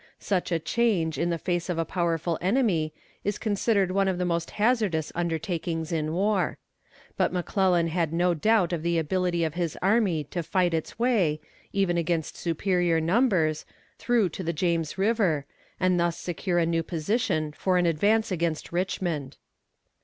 Such a change in the face of a powerful enemy is considered one of the most hazardous undertakings in war. But McClellan had no doubt of the ability of his army to fight its way, even against superior numbers, through to the James River, and thus secure a new position for an advance against Richmond.